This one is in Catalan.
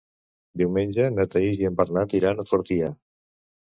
Diumenge na Thaís i en Bernat iran a Fortià.